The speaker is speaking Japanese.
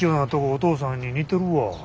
お父さんに似てるわ。